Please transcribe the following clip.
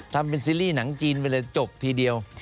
ทำเป็นซีรีส์หนังจีนไปเลยจบทีเดียว